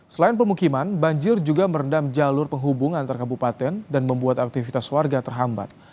selain pemukiman banjir juga merendam jalur penghubung antar kabupaten dan membuat aktivitas warga terhambat